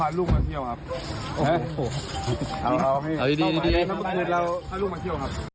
ห้าลูกมาเที่ยวครับ